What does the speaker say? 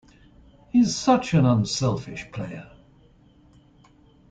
He's such an unselfish player.